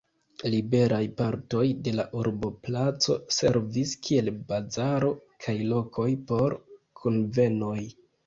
Liberaj partoj de la urboplaco servis kiel bazaro kaj lokoj por kunvenoj.